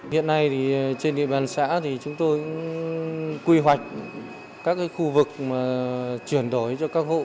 hiện nay trên địa bàn xã chúng tôi quy hoạch các khu vực chuyển đổi cho các hộ